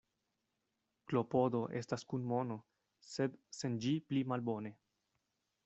Klopodo estas kun mono, sed sen ĝi pli malbone.